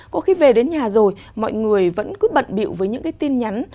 có khi về đến nhà rồi mọi người vẫn cứ bận biệu với những cái tin nhắn